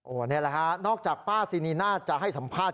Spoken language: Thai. นี่แหละฮะนอกจากป้าซีนีน่าจะให้สัมภาษณ